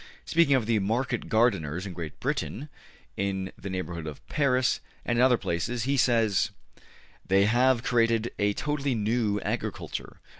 Speaking of the market gardeners in Great Britain, in the neighborhood of Paris, and in other places, he says: They have created a totally new agriculture.